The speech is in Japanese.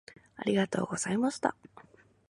ありがとうございました。